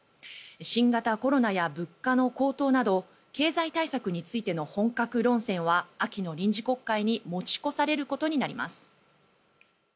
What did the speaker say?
新型コロナや物価の高騰など経済対策についての本格論戦は秋の臨時国会に持ち越されることになります。